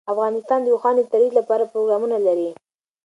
افغانستان د اوښانو د ترویج لپاره پروګرامونه لري.